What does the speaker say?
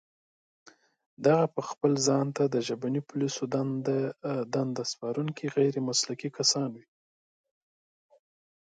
دغه پخپله خپل ځان ته د ژبني پوليسو دنده سپارونکي غير مسلکي کسان دي